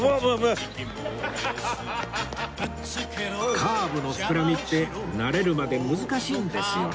カーブの膨らみって慣れるまで難しいんですよね